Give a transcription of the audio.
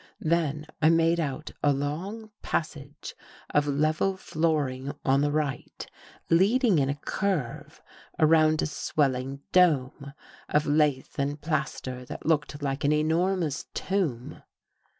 Then I made out a long passage of level flooring on the right, leading in a curve around a swelling dome of lath and plaster that looked like an enor mous tomb.